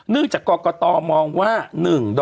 เนื่องจากกรกตมองว่าหนึ่ง